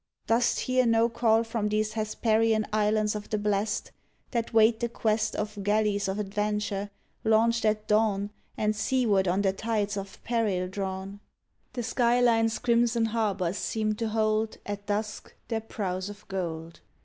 Dost hear no call From these hesperian Islands of the Blest That wait the quest Of galleys of adventure, launched at dawn And seaward on the tides of peril drawn? The sky line's crimson harbors seem to hold. At dusk, their prows of gold.